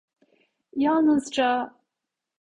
Yalnızca...